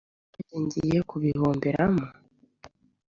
ku buryo nge ngiye kubihomberamo?